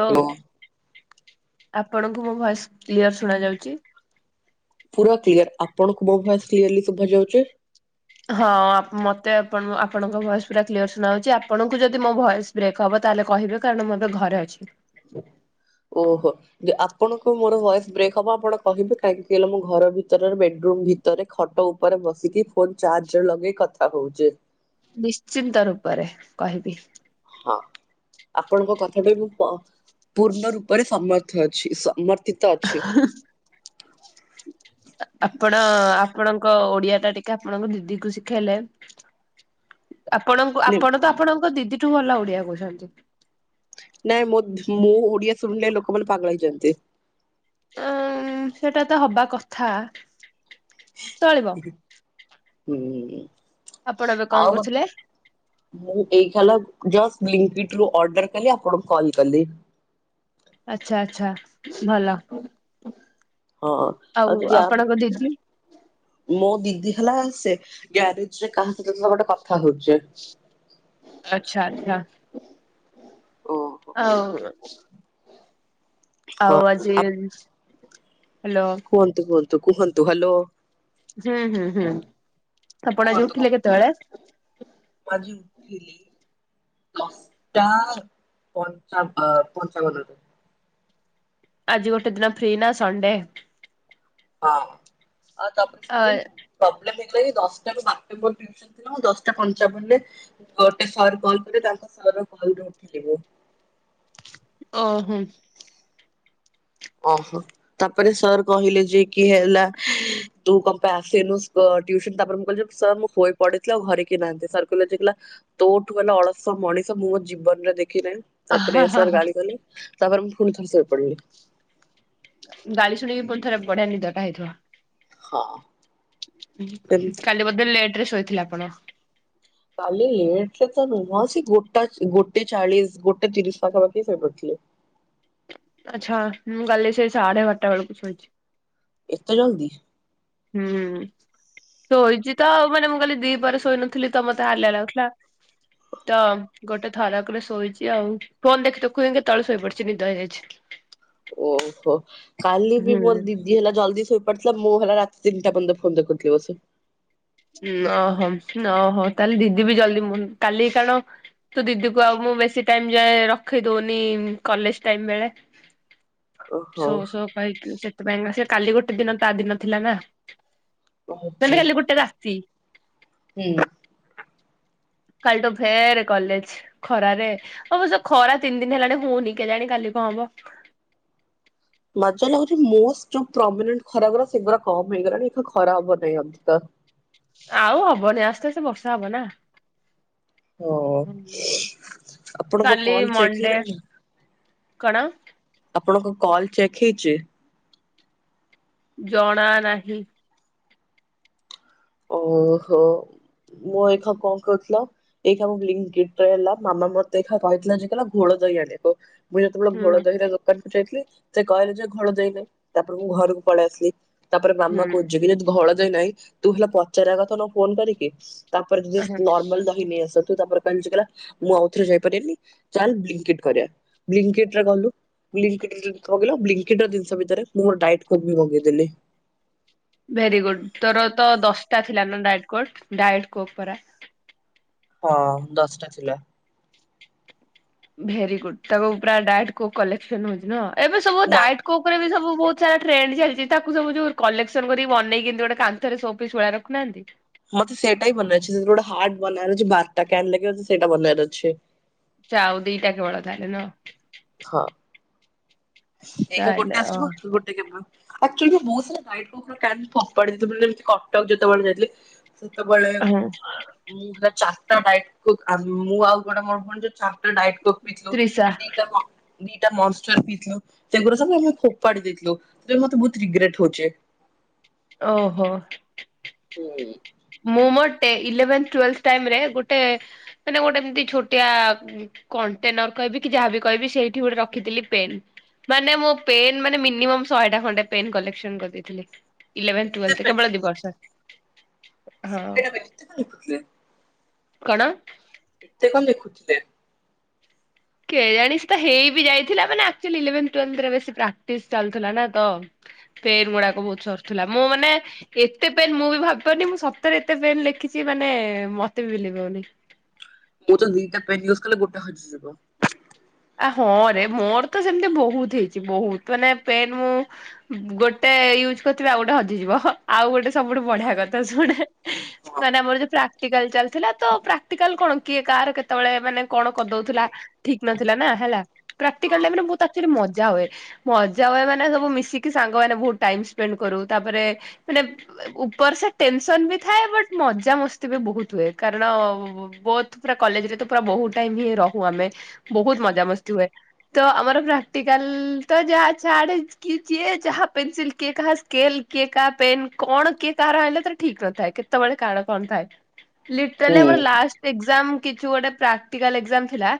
ଓ hello ଆପଣଙ୍କୁ ମୋ voice clear ଶୁଣାଯାଉଚି। ପୁରା କ୍ଲିୟର ଆପଣଙ୍କୁ ମୋ ଭୟସ କ୍ଲିୟରଲି ଶୁଭାଯାଉଛି। ହଁ ଆ ମତେ ଆପଣ ଆପଣଙ୍କ ଭଏସ ପୁରା କ୍ଲିୟର ଶୁଣାଯାଉଛି ଆପଣଙ୍କୁ ଯଦି ମୋ ଭଏସ ବ୍ରେକ୍ ହବ ତାହେଲେ କହିବେ କାରଣ ମୁଁ ଏବେ ଘରେ ଅଛି। ଓହୋ। ଯ ଆପଣଙ୍କୁ ମୋର ଭଏସ ବ୍ରେକ୍ ହବ ଆପଣ କହିବ। କାହିଁକି ହେଲା ମୁଁ ଘର ଭିତରର ବେଡରୁମ୍ ଭିତ ରେ ଖଟ ଉପରେ ବସିକି ଫୋନ ଚାର୍ଜରେ ଲଗେଇ କଥା ହଉଚେ। ନିଶ୍ଚିନ୍ତ ରୂପରେ କହିବି। ହଁ। ଆପଣଙ୍କ କଥାଟା ମୁଁ ପ ପୂର୍ଣ୍ଣ ରୂପରେ ସମର୍ଥ ଅଛି ସମର୍ଥିତ ଅଛି। [inaudible] ଆପଣ ଆପଣଙ୍କ ଓଡ଼ିଆଟା ଟିକେ ଆପଣଙ୍କ ଦିଦିକୁ ଶିଖେଇଲେ ଆପଣଙ୍କୁ ନେ ଆପଣ ତ ଆପଣଙ୍କ ଦିଦିଠୁ ଭଲ ଓଡ଼ିଆ କହୁଛନ୍ତି। ନାଇଁ ମୋ ମୋ ଓଡ଼ିଆ ଶୁଣିଲେ ଲୋକମାନେ ପାଗଳ ହେଇଯାଆନ୍ତି। ଉଁ ସେଟା ତ ହବା କଥା ଚଳିବ। ହୁଁ। ଆପଣ ଏବେ ଆଉ କଣ ଗୋ କରୁଥିଲେ? ମୁଁ ଏଇଖାଲ ଜଷ୍ଟ ବ୍ଲିଙ୍କିଟରୁ ଅର୍ଡର କଲି ଆପଣଙ୍କୁ କଲ କଲି। ଆଚ୍ଛା ଆଚ୍ଛା ଭଲ। ହଁ ଆଉ ଯଦି ଆପ୍ ଆପଣଙ୍କ ଦିଦି? ମୋ ଦିଦି ହେଲା ସେ ଗ୍ୟାରେଜରେ କାହା ସହିତ ଗୋଟେ କଥା ହଉଚି। ଆଚ୍ଛା ଆଚ୍ଛା ଓହୋ ଆଉ ହଁ ଆଉ ଆଜି ଆ ହ୍ୟାଲୋ କୁହନ୍ତୁ କୁହନ୍ତୁ କୁହନ୍ତୁ ହ୍ୟାଲୋ ହୁଁ ହୁଁ ହୁଁ ଆପଣ ଆଜି କୁହନ୍ତୁ ଉଠିଲେ କୁହନ୍ତୁ କେତେବେଳେ? ମୁଁ ଆଜି ଉଠିଲି ଦଶଟା ପ ଞ୍ଚଟା ପାଞ୍ଚବନରେ। ଆଜି ଗୋଟେ ଦିନ ଫ୍ରି ନା ସଣ୍ଡେ। [unintelligible] ଅ ମୁଁ ଦଶଟା ପଞ୍ଚାବନରେ ଗୋଟେ [unintelligible] ଓହୋ। ଓହୋ ତାପରେ ସର୍ କହିଲେ ଯେ କି ହେଲା ତୁ କଣ ପାଇଁ ଆସନୁୁ କ ଟିଉସନ। ତାପରେ ମୁଁ କହିଲି ସାର୍ ମୁଁ ଶୋଇପଡ଼ିଥିଲି ଆଉ ଘରେ କିଏ ନାହାନ୍ତି। ସାର୍ କହିଲେ [unintelligible] ତୋଠୁ ଗଲା ଅଳସୁଆ ମଣିଷ ମୁଁ ମୋ ଜୀବନରେ ଦେଖିନାଇ। ତାପରେ ସାର୍ ଗାଳି କଲେ। ତାପରେ ମୁଁ ପୁଣି ଥରେ ଶୋଇପଡ଼ିଲି। ଗାଳି ଶୁଣିକି ପୁଣିଥରେ ବଢ଼ିଆ ନିଦଟା ହେଇଥିବ। ହଁ। ସେମିତି କାଲି ବୋଧେ ଲେଟରେ ଶୋଇଥିଲେ ଆପଣ? କାଲି ଲେଟରେ ତ ନୁହଁ। ସେ ଗୋଟା ଗୋଟେ ଚାଳିଶ ଗୋଟେ ତିରିଶ ପାଖାପାଖି ଶୋଇ ପଡ଼ିଥିଲି। ଆଚ୍ଛା ମୁଁ କାଲି ସେ ସାଢ଼େ ବାରଟା ବେଳକୁ ଶୋଇଛି। ଏତେ ଜଲଦି। ହୁଁ ଶୋଇଛି ତ ଆଉ। ମାନେ ମୁଁ କାଲି ଦି ପହରେ ଶୋଇନଥିଲି ତ ମୋତେ ହାଲିଆ ଲାଗୁଥିଲା। ତ ଗୋଟେ ଥରକରେ ଶୋଇଛି ଆଉ। ଫୋନ ଦେଖୁ ଦେଖୁ ହିଁ କେତେବେଳେ ଶୋଇପଡ଼ିଛି ନିଦ ହେଇଯାଇଛି। ଓହୋ କାଲି ବି ହୁଁ ମୋର ଦି ଦି ହେଲା ଜଲଦି ଶୋଇ ପଡ଼ିଥିଲା ମୁଁ ହେଲା ରାତି ତିନିଟା ପର୍ଯ୍ୟନ୍ତ ଫୋନ ଦେଖୁଥିଲି ବସିକି। ଅହୋ ଅହୋ ତାହେଲେ ଦିଦିବି ଜଲ୍ଦି ମୁଁ କାଲି କାରଣ ତୁ ଦିଦିକୁ ଆଉ ମୁଁ ବେଶୀ ଟାଇମ ଯାଏ ରଖେଇ ଦଉନି କଲେଜ ଟାଇମ୍ ବେଳେ [inaudible] ଓହୋ ସୋ ସୋ କହିକି ସେଥିପାଇଁ ସେ କାଲି ଗୋଟେ ଦିନ ତା ଦିନ ଥିଲା ନା। ଓହୋ [unintelligible] ଗୋଟେ ରାତି। ହୁଁ। କାଲି ଟୁ ଫେରେ କଲେଜ୍। ଖରାରେ ଅବଶ୍ୟ ଖରା ତିନି ଦିନ ହେଲାଣି ହଉନି କେଜାଣି କାଲି କଣ ହବ? ମଜା ଲାଗୁଛି ମୋଷ୍ଟ ଯୋଉ [unintelligible] ଖରା ଗୂରା ସେଗୁରା କମ ହେଇଗଲାଣିା ଏବେ ଖରା ହବ ନାହିଁ ଅଧିକ। ଆଉ ହବନି ଆସ୍ତେ ଆସ୍ତେ ବର୍ଷା ହବ ନା। ଓ ଆପଣଙ୍କ କାଲି କଲ ଚେକ୍ ମଣ୍ଡେ ହେଇଗଲାଣି। କଣ। ଆପଣଙ୍କ କଲ୍ ଚେକ୍ ହେଇଛି। ଜଣା ନାହିଁ। ଓହୋ ମୁଁ ଏଖ କଲ କରିଥିଲ। ଏଇ ଖାଁ ମୁଁ ବ୍ଲିଙ୍କ୍କ କିଟ୍ ରେ ହେଲା ମାମା ମତେ ଏଇଖା କହିଥିଲା ଯେ କହିଲା ଘୋଳ ଦହି ଆଣିବୁ। ମୁଁ ଯେତେବେଳେ ଘୋଳ ହୁଁ। ଦହିର ଦୋକାନକୁୁ ଯାଇଥିଲି ସେ କହିଲେ ଯେ ଘୋଳ ଦହି ନାହି ତାପରେ ମୁଁ ଘରକୁ ପଳେଇ ଆସିଲି। ତାପରେ ମାମା ହୁଁ କହୁଛି କି ଯଦି ଘୋଳ ଦହି ନାହିଁ ତୁ ହେଲା ପଚାରିବା କଥା ନୁହ ଫୋନ କରିକି। ତାପରେ ଜେ ସ ନର୍ମଲ ଦ ହି ନେଇ ଆସେ ତୁ ତାପରେ କହିଲୁ ସିଏ କହିଲା ମୁଁ ଆଉଥରେ ଯାଇ ପାରିବିନି ଚାଲ ବ୍ଲିଙ୍କ ଇଟ୍ କରିବା। ବ୍ଲୀଙ୍କ ଇଟ ରେ କଲୁ। ବ୍ଳୀଙ୍କ ଇଟ୍ ରେ ଲିଙ୍କ କଲୁ ବ୍ଲିଙ୍କିଟ୍ ର ଜିନଷ ଭିତରେ ମୋର ଡ଼ାଇଟ୍ କୋଟ ବି ମଗେଇଦେଲି। ଭେରି ଗୁଡ ତୋର ତ ଦଶଟା ଥିଲା ନା ଡାଏଟ କୋଟ ଡାଏଟ୍ କୋକ୍ ପରା। ହଁ ଦଶଟା ଥିଲା। ଭେରି ଗୁଡ ତାକୁ ପୁରା ଡାଏଟ୍ କୋକ୍ କଲେକ୍ସନ ହଉଛି ଏବେ ସବୁ ନା ଡାଏଟ୍ କୋ କୋକ ରେ ବି ସବୁ ବହୁତ ସାରା ଟ୍ରେଣ୍ଡ ଚାଲିଛି ତାକୁ ସବୁ ଯୋଉ କଲେକ୍ସନ କରିକି ବନେଇକି ଏମତି ଗୋଟେ କାନ୍ଥ ରେ ସୋ ପିସ୍ ଭଳିଆ ରଖୁ ନାହାନ୍ତି। ମତେ ସେଇଟା ହି ବନେଇ ଆର ଅଛି ସେଥିରେ ଗୋଟେ ହାର୍ଡ ବନେଆର ଅଛି ବାରଟା କେନ୍ ଲାଗିବ ସେଇଟା ବନେଇ ବାର ଅଛି। ଛା ଆଉ ଦିଟା କେବଳ ତାହେଲେ ନୁଅ। ହଁ। ଏ ଖା ତାହେଲେ ଗୋଟେ ଓ ଆସିବ ଗୋ ଟେ କେବଳ ଆକଚୁଆଲି ମୁଁ ବହୁତ ସାରା ଡାଏଟ୍ କୋକ୍ ର କ୍ୟାନ ଫୋପାଡ଼ି ଦେଇଥିଲି ବେଲେ ଏମତି କଟକ ଯେତେବେଳେ ଯାଇଥିଲି। ସେତେବେଳେ ହଁ ମୁଁ ହେଟା ଚାରଟା ଡାଇଟ୍ କୋକ୍ ମୁଁ ଆଉ ଜଣେ ମୋର ଭଉଣୀ ଯୋଉ ଚାର ର ଟା ଡାଏଟ୍ କୋକ୍ ପି ଥିଲୁ ତ୍ରିଶା ଦିଟା ମ ଦିଟା ମନ୍ଷ୍ଟର୍ ପି ଥିଲୁ। ସେଗୁରା ସବୁ ଆମେ ଫୋପାଡି ଦେଇଥିଲୁ ସେଥି ପାଇଁ ମତେ ବହୁତ ରିଗ୍ରେଟ ହଉଛେ। ଓହୋ। ହୁଁ। ମୁଁ ମୋ ଟେ ଇଲେଭେନ୍ ଟ୍ୱେଲ୍ଭଥ ଟାଇମରେ ଗୋଟେ ମାନେ ଗୋଟେ ଏମତି ଛୋଟିଆ। କଣ୍ଟେନର କହିବି କି ଯାହାବି କହିବି ସେଇଠି ଗୋଟେ ରଖିଥିଲି ପେନ୍। ମାନେ ମୋ ପେନ୍ ମାନେ ମିନିମମ୍ ଶହେଟା ଖଣ୍ଡେ ପେନ୍ କଲେକ୍ସନ କରିଦେଇଥିଲି। ଇଲେଭେନଥ୍ ଏତେ ଟ୍ୱେଲ୍ଭଥ। କେବଳ ଦି ବର୍ଷ। ହଁ ଶହେ ଟା ପେନ‌ ଏତେ କଁ ଲେଖୁଥିଲେ। କଣ। ଏତ କଣ ଲେଖୁଥିଲେ। କେ ଜାଣି ସେତ ହେଇ ବିି ଯାଇଥିଲା ମାନେ ଆକଚୁଆଲି ଇଲେଭେନ୍ ଟ୍ୱେଲ୍ଭଥ୍ ରେ ବେଶୀ ପ୍ରାକ୍ଟିସ ଚାଲୁଥିଲା ନା ତ। ପେନ୍ ଗୁଡାକ ବହୁତ ସରୁଥିଲା ମୁଁ ମାନେ। ଏତେ ପେନ୍ ମୁଁ ବି ଭାବି ପାରୁନି ମୁଁ ସତରେ ଏତେ ପେନ୍ ଲେଖିଛି ମାନେ ମତେ ବି ବିଲିଭ ହଉନି। ମୁଁତ ଦିଟା ପେନ୍ ୟୁଜ୍ କଲେ ଗୋଟା ହଜି ଯିବ। ଆ ହଁ ରେ ମୋର ତ ସେମିତି ବହୁତ ହେଇଛି ବହୁତ ମାନେ ପେନ୍ ମୁଁ। ଗୋଟେ ୟୁଜ କରିଥିବି ଆଉ ଗୋଟେ ହଜିଯିବ ଆଉ ଗୋଟେ ସବୁଠୁ ବଢିଆ କଥା ଶୁଣେ। ହଁ ମାନେ ଆମର ଯୋଉ ପ୍ରାକ୍ଟିକାଲ ଚାଲିଥିଲା ତ ପ୍ରାକ୍ଟିକାଲ କଣ କିଏ କାହାର କେତେବେଳେ ମାନେ କଣ କରି ଦଉଥିଲା। ଠିକ ନଥିଲା ନା ହେଲା ପ୍ରାକ୍ଟିକାଲ ହଁ। ଟାଇମରେ ରେ ବହୁତ ଆକଚୁଆଲି ମଜା ହୁଏ। ମଜା ହୁଏ ମାନେ ସବୁ ମିଶିକି ସାଙ୍ଗ ମାନେ ବହୁତ ଟାଇମ ସ୍ପେଣ୍ଡ କରୁ ତାପରେ ମାନେ। ଉପର ସେ ଟେନସନ ବି ଥାଏ ବଟ୍ ମଜାମସ୍ତି ବି ବହୁତ ହୁଏ କାରଣ। ବୋଥ୍ ପୁରା କଲେଜ ରେ ତ ପୁରା ବହୁତ ଟାଇମ ହିଁ ରହୁ ଆମେ ବହୁତ ମଜାମସ୍ତି ହୁଏ। ତ ଆମର ପ୍ରାକ୍ଟିକାଲ ତ ଯାହା ଛାଡ଼େ କି ଯିଏ ଯାହା ପେନସିଲ କିଏ କାହା ସ୍କେଲ। କିଏ କାହା ପେନ୍ କଣ କିଏ କାହାର ଆଇଁଲା ତାର ଠିକ୍ ନ ଥାଏ କେତବେଳେ କାଳ କଣ ଥାଏ। ହୁଁ ଲିଟରାଲି ଆମର ଲାଷ୍ଟ ଏକଜାମ କିଛି ଗୋଟେ ପ୍ରାକ୍ଟିକାଲ ଏକଜାମ ଥିଲା।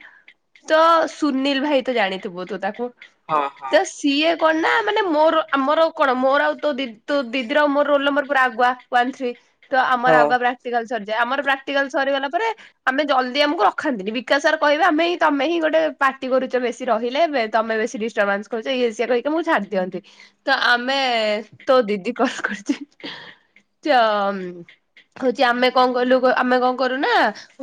ତ ସୁନୀଲ ଭାଇ ତୁ ଜାଣିଥିବୁ ତୁ ତାକୁ। ହଁ। ତ ହଁ ସିଏ କଣ ନା ମାନେ ମୋର ଆମର କଣ ମୋର ଆଉ ତୋ ଦିଦ୍ ତୋ ଦିଦିର ଆଉ ମୋର ରୋଲନମ୍ବର ପୁରା ଆଗୁଆ ୱାନ୍ ଥ୍ରୀ ତ ଆମର ଆଗୁଆ ବ୍ୟାଗ୍ କ୍ଟିକାଲ ସରିଯାଏ। ଆମର ପ୍ରାକ୍ଟିକାଲ ସରିଗଲା ପରେ ଆମେ ଜଲ୍ଦି ଆମକୁ ରଖାନ୍ତିିନି ବିକାଶ ସାର କହିବେ ଆମେହିଁ ତମେ ହିଁ ଗୋଟେ ପାଟି କରୁଛ ବେଶୀ ରହିଲେ। ତମେ ବେଶୀ ଡିଷ୍ଟର୍ବାନ୍ସ କରୁଛ ଇଏସିଏ କହିକି ଆମକୁ ଛାଡି ଦିଅନ୍ତି। ତ ଆମେ ତୋ ଦିଦି କଣ କରିଛି ଚ ହଉଚି ଆମେ କଁ କଲୁ, କ ଆମେ କଣ କରୁନା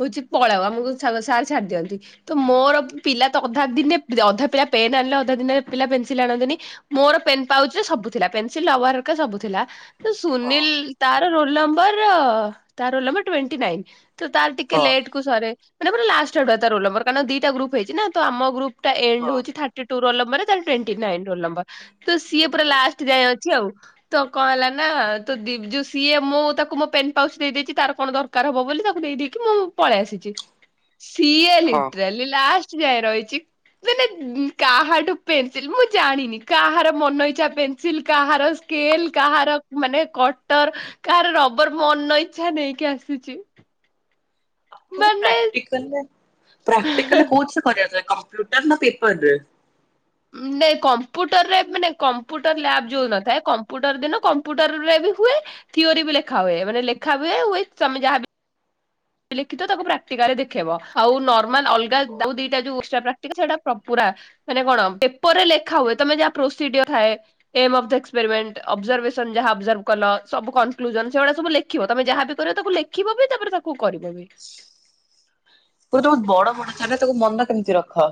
ହଉଚି ପଳାଅ ଆମକୁ ସାଲ ସାର୍ ଛାଡି ଦିଅନ୍ତି। ତ ମୋର ପିଲା ତ ଅଧା ଦିନେ ଅଧା ପିଲା ପେନ୍ ଆଣିଲେ ଅଧା ଦିନରେ ପିଲା ପେନସିଲ ଆଣନ୍ତି ନି ମୋର ପେନ୍ ପାଉଚରେ ସବୁ ଥିଲା। ପେନସିଲ ରବର ହେରିକା ସବୁ ଥିଲା। ତ ହଁ ସୁନୀଲ୍ ତାର ରୋଲ୍ ନମ୍ବର, ତା ରୋଲ୍ ନମ୍ବର ଟ୍ଵେଣ୍ଟି ନାଇନ୍। ତ ତାର ଟିକେ ହଁ ହଁ ଲେଟ୍ କୁ ସରେ। ମାନେ ପୁରା ଲାଷ୍ଟ ଆଡୁଆ ତା ରୋଲ୍ ନମ୍ବର କାରଣ ଦିଟା ଗ୍ରୁପ ହେଇଛି ନା ତ ଆମ ଗ୍ରୁପ ତା ଏଣ୍ଡ୍ ହୋଉଛି ଥାର୍ଟି ଟୁ ରୋଲ୍ ନମ୍ବର ତାର ଟ୍ଵେଣ୍ଟି ନାଇନ୍ ରୋଲ୍ ନମ୍ବର। ତ ସିଏ ପୁରା ଲାଷ୍ଟ ଯାଏ ଅଛି ଆଉ। ତ କଣ ହେଲା ନା, ତୋ ଦିଦୁ ସିଏ ମୁଁ ତାକୁ ମୋ ପେନ୍ ପାଉଛ୍ ଦେଇେଦେଇଛି ତାର କଣ ଦର୍ କାର ହବ ବୋଲି ତାକୁ ଦେଇ ଦେଇେଇକି ମୁଁ ପଳେଇ ଆସିଛି। ସିଏ ଲି ହଁ। କାଲି ଲାଷ୍ଟ ଯାଏ ରହିଛି। ସେ ନାଇ ଉଁ କାହାଠୁ ପେନ୍ସିଲ୍ ମୁଁ ଜାଣିନି କାହାର ମନ ଇଚ୍ଛା ପେନ୍ସିଲ୍ କାହାର ସ୍କେଲ୍ କାହାର ମାନେ କଟର, କାହାର ରବର, ମନ ଇଚ୍ଛା ନେଇକି ଆସିଚି। ଓ ହୋ ମାନେ ପ୍ରାକ୍ଟିକାଲ୍ ରେ କୋଉ ଜିନିଷରେ କରିବାକୁ ଦିଆଯାଏ କମ୍ପୁଟର ନା ପେପର୍ ରେ? ନାଇଁ କମ୍ପ୍ୟୁଟର୍ ରେ ମାନେ କମ୍ପ୍ୟୁଟର୍ ଲ୍ୟାବ ଯୋଉ ନଥାଏ। କମ୍ପ୍ୟୁଟର୍ ଦିନ କମ୍ପୁଟରରେ ବି ହୁଏ। ଥିଓରି ବି ଲେଖା ହୁଏ। ମାନେ ଲେଖା ହୁଏ ୱିଥ୍ ତମେ ଯାହାବି ଲେଖିଥବ ତାକୁ ପ୍ରାକ୍ଟିକାରେ ଦେଖେଇବ। ଆଉ ନର୍ମାଲ ଅଲଗା ତମର ଯୋଉ ଦିଟା ଯୋଉ ଉଷା ପ୍ରାକ୍ଟିକାଲ ସେଟା ପ ପୁରା ମାନେ କଣ ପେପରରେ ଲେଖା ହୁଏ। ତମେ ଯାହା ପ୍ରୋସିଡିୟର ଥାଏ। Aim of the experiment, observation ଯାହା ଅବଜର୍ଭ କଲ, ସବୁ କନକ୍ଲୁଜନ୍ ସେଗୁଡା ସବୁ ଲେ ଖିବ, ତମେ ଯାହା ବି କରିବ ତାକୁ ଲେଖିବ ବି, ତାପରେ ତାକୁ କରିବ ବି। ସବୁ ତମ ବଡ ବଡ ଧାଡିରେ ତାକୁ ମନ କେମିତି ରଖ?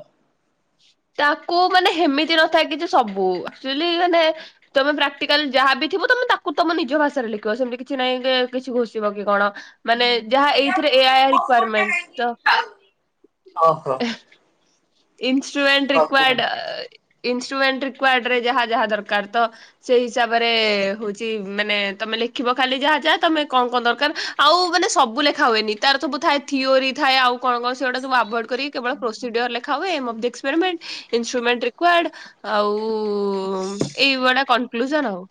ତାକୁ ମାନେ ହେମିତି ନଥାଏ କିଛି ସବୁ ଆକ୍ଚୁଆଲି ମାନେ ତମେ ପ୍ରାକ୍ଟିକାଲ୍ ଯାହା ବି ଥିବ ତମେ ତାକୁ ତମ ନିଜ ଭାଷାରେ ଲେଖିବ। ସେମିତି କିଛି ନାଇଁ ଯେ କିଛି ଘୋଷିବ କି କଣ। ମାନେ ଯାହା ଏଇଥିରେ ଏୟା ଏୟା ରିକ୍ୱାୟାରମେଣ୍ଟ, ତ ଓହୋ। ଇଷ୍ଟୁମେଣ୍ଟ ହଁ କୁହ। ରିକ୍ଵାର୍ଡ ଆ ଇଷ୍ଟୁମେଣ୍ଟ ରିକ୍ବାର୍ଡ ରେ ଯାହା ଯାହା ଦରକାର ତ ସେଇ ହିସାବରେ ହଉଚି ମାନେ ତମେ ଲେଖିବ ଖାଲି ଯାହା ଯାହା ତମେ କଣ କଣ ଦରକାର ଆଉ ମାନେ ସବୁ ଲେଖା ହୁଏନି ତାର ସବୁ ଥାଏ, ଥିଓରି ଥାଏ ଆଉ କଣ କଣ ସେଗୁଡା ସବୁ ସବୁ ଆଭଏଡ୍ କରିି କେବଳ ପ୍ରୋସିଡିଓର ଲେ ଖା ହୁଏ, aim of the experiment, instrument required ଆଉ ଏଇ ଗୁଡା କନକ୍ଲୁଜନ ଆଉ।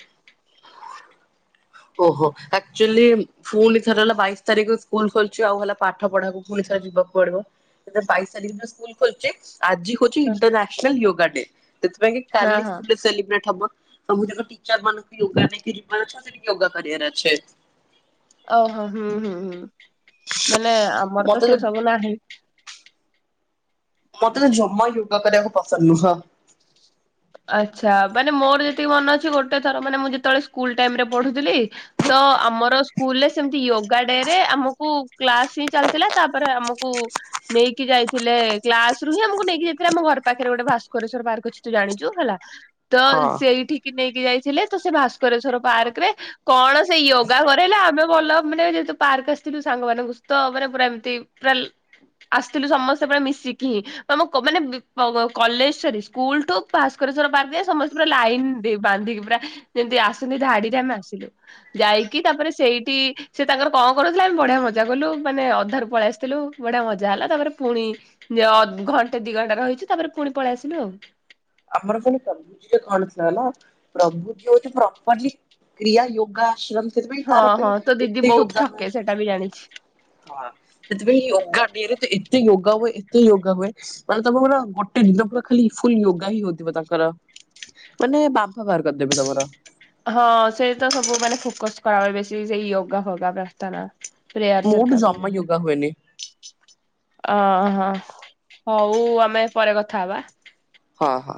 ଓହୋ ଆକ୍ଚୁଆଲି ଫୁଣି ଥରେ ହେଲା ବାଇସ୍ ତାରିଖ ସ୍କୁଲ୍ ଖୋଲଛି। ଆଉ ହେଲା ପାଠ ପଢାକୁ ପୁଣି ଥରେ ଯିବାକୁ ପଡ଼ିବ। ସେତେ ବାଇସ୍ ତାରିଖ ଦିନ ସ୍କୁଲ୍ ଖୋଲୁଛି। ଆଜି ହଉଛି ଇଣ୍ଟରନ୍ୟାସନାଲ୍ ୟୋଗା ଡେ। ସେଥିପାଇଁ କି ହଁ କାଲି ହଁ ସ୍କୁଲ୍ ରେ ସେଲିବ୍ରେଟ୍ ହବ। ସବୁଯାକ ଟିଚର ମାନଙ୍କୁ ୟୋଗା ନେଇକି ଯିବାର ଅଛି, ସେଠି ୟୋଗା କରିବାର ଅଛି। ଓହୋ। ହୁଁ ହୁଁ ହୁଁ। ମାନେ ଆମର ତ ସେ ସବୁ ନାହିଁ। ମତେ ତ ଜମା ୟୋଗା କରିବାକୁ ପସନ୍ଦ ନୁହଁ। ଆଚ୍ଛା। ମାନେ ମୋର ଯେତିକି ମନ ଅଛି, ଗୋଟେ ଥର ମାନେ ମୁଁ ଯେତେବେଳେ ସ୍କୁଲ୍ ଟାଇମ୍ ରେ ପଢୁଥିଲି ତ ଆମର ସ୍କୁଲ୍ ରେ ସେମତି ୟୋଗା ଡେ ରେ, ଆମକୁ କ୍ଲାସ୍ ହିଁ ଚାଲିଥିଲା। ତାପରେ ଆମକୁ ନେଇକି ଯାଇଥିଲେ, କ୍ଲାସ୍ ରୁ ହିଁ ଆମକୁ ନେଇକି ଯାଇଥିଲେ। ଆମ ଘର ପାଖରେ ଗୋଟେ ଭାସ୍କରେଶ୍ଵର ପାର୍କ ଅଛି ତୁ ଜାଣିଛୁ? ହେଲା। ତ ହଁ। ସେଇଠିକି ନେଇକି ଯାଇଥିଲେ, ତ ସେ ଭାସ୍କରେଶ୍ଵର ପାର୍କ ରେ କଣ ସେ ୟୋଗା କରେଇଲା, ଆମେ ଭଲ ମାନେ ଯେହେତୁ ପାର୍କ ଆସିଥିଲୁ ସାଙ୍ଗମାନଙ୍କ ସହିତ ମାନେ ପୁରା ଏମତି ଟୁଆଲ୍ ଆସିଥିଲୁ ସମସ୍ତେ ପୁରା ମିଶିକି। ତମୁ କ ମାନେ ବି କଲେଜ୍ ସରି ସ୍କୁଲ୍ ଠୁ ଭାସ୍କରେଶ୍ଵର ପାର୍କ ରେ ସମସ୍ତେ ପୁରା ଲାଇନ୍ ଦେଇ, ବାନ୍ଧିକି ପୁରା। ଯେମିତି ଆସନ୍ତି ଧାଡିରେ ଆମେ ଆସିଲୁ। ଯାଇକି ତାପରେ ସେଇଠି ସେ ତାଙ୍କର କଣ କରୁଥିଲେ ଆମେ ବଢିଆ ମଜା କଲୁ ମାନେ ଅଧାରୁ ପଳେଇ ଆସିଥିଲୁ ବଢିଆ ମଜା ହେଲା ତାପରେ ପୁଣି ଯୋଉ ଅ ଘଣ୍ଟେ ଦି ଘଣ୍ଟା ରହିଛୁ ତାପରେ ପୁଣି ପଳେଇ ଆସିଲୁ ଆଉ। ଆମର ଖାଲି ପ୍ରଭୁଜୀରେ [unintelligible] ଥିଲାନା ପ୍ରଭୂଜୀ ହୋଉଛି ପ୍ରପରଲି କ୍ରିୟା ୟୋଗା ଆଶ୍ରମ ସେଥିପାଇଁ ହଁ ତାର ହଁ ପାଇଁ ତୋ ଦିଦି ଏତେ ବହୁତ ୟୋଗା ହୁଏ। ଠକେ ସେଇଟା ବି ଜାଣିଛି। ହଁ ସେଇଥିପାଇଁ ୟୋଗା ଡେ ରେ ତ ଏତେ ୟୋଗା ହୁଏ ଏତେ ୟୋଗା ହୁଏ ମାନେ ତମ ପୁରା ଗୋଟେ ଦିନ ପୁରା ଖାଲି ଫୁଲ ୟୋଗା ହିଁ ହଉଥିବ ତାଙ୍କର। ମାନେ ବାମ୍ଫ ବାହାର କରିଦେବେ ତମର। ହଁ ସେ ତ ସବୁ ମାନେ ଫୋକସ କରା ହୁଏ ବେଶି ସେଇ ୟୋଗା ଫୋଗା ପ୍ରାର୍ଥନା। ପ୍ରେୟାର୍ସ ମୋଠୁ ହେରିକା ସବୁ ଜମା ହୁଏ। ୟୋଗା ହୁଏନି ଆଁ ହଁ ହୋଉ ଆମେ ପରେ କଥା ହବା। ହଁ ହଁ।